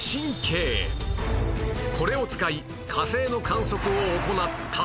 これを使い火星の観測を行ったのだ